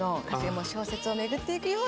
もう小説をめくっていくような。